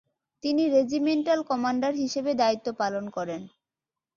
তিনি regimental commander হিসেবে দায়িত্ব পালন করেন।